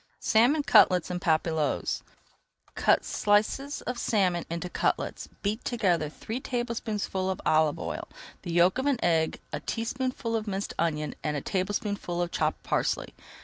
SALMON CUTLETS EN PAPILLOTES Cut slices of salmon into cutlets. Beat together three tablespoonfuls of olive oil, the yolk of an egg, a teaspoonful of minced onion and a tablespoonful of chopped parsley.